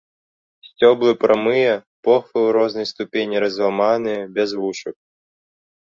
Сцёблы прамыя, похвы ў рознай ступені разламаныя, без вушак.